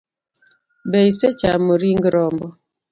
Be isechamo ring rombo?